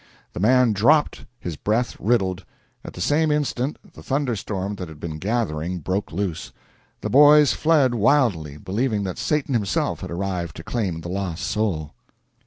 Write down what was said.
The man dropped, his breast riddled. At the same instant the thunder storm that had been gathering broke loose. The boys fled wildly, believing that Satan himself had arrived to claim the lost soul.